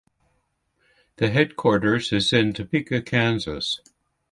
The headquarters is in Topeka, Kansas.